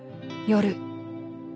［夜］